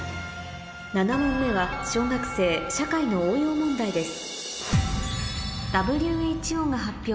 ７問目は小学生社会の応用問題です